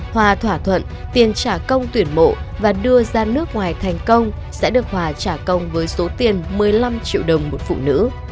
hòa thỏa thuận tiền trả công tuyển mộ và đưa ra nước ngoài thành công sẽ được hòa trả công với số tiền một mươi năm triệu đồng một phụ nữ